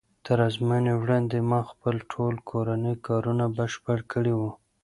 تر ازموینې وړاندې ما خپل ټول کورني کارونه بشپړ کړي وو.